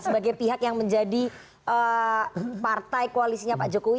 sebagai pihak yang menjadi partai koalisinya pak jokowi